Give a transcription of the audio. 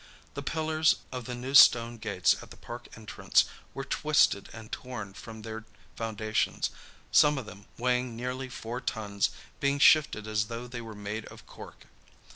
The pillars of the new stone gates at the park entrance were twisted and torn from their foundations, some of them, weighing nearly four tons, being shifted as though they were made of cork.